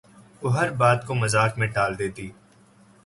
وہ ہر بات کو مذاق میں ٹال دیتی